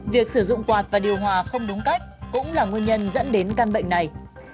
việc sử dụng quạt và điều hòa không đúng cách cũng là nguyên nhân dẫn đến căn bệnh này